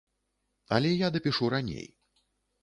Але я дапішу раней.